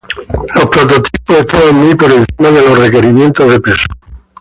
Los prototipos estaban muy por encima de los requerimientos de peso.